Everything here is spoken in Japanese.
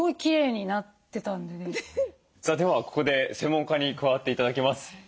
さあではここで専門家に加わって頂きます。